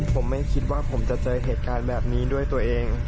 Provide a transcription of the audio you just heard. ผมไม่คิดว่าผมจะเจอเหตุการณ์แบบนี้ด้วยตัวเอง